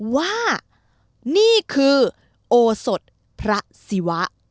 ว่านี่คือโอสดพระศิวะ